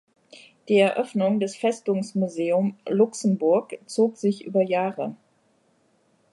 Die Eröffnung des Festungsmuseum Luxemburg zog sich über Jahre.